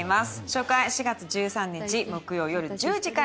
初回４月１３日木曜夜１０時から。